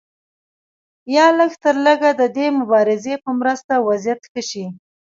یا لږترلږه د دې مبارزې په مرسته وضعیت ښه شي.